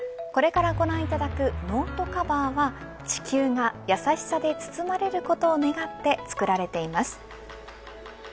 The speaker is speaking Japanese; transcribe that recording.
これからご覧いただくノートカバーは地球が優しさで包まれることを願って作られています。